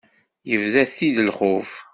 Yebda-t-id lxuf.